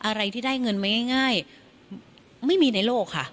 อะไรที่ได้เงินมาง่ายไม่มีในโลกค่ะ